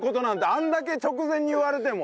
あれだけ直前に言われても。